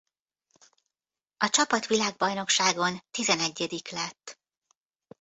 A csapat világbajnokságon tizenegyedik lett.